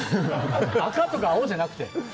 赤とか青じゃなくて？